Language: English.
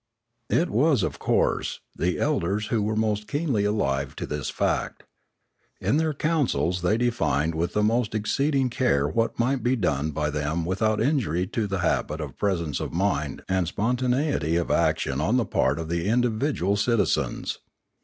It was, of course, the elders who were most keenly alive to this fact. In their councils they defined with the most exceeding care what might be done by them without injury to the habit of presence of mind and spontaneity of action on the part of the individual citi zens.